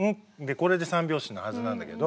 これで三拍子のはずなんだけど。